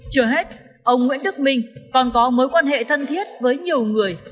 chưa hết ông nguyễn đức minh còn có mối quan hệ thân thiết với nhiều người